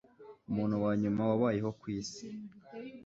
Umuntu wa nyuma wabayeho ku isi